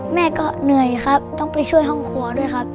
แม่ก็เหนื่อยครับต้องไปช่วยห้องครัวด้วยครับ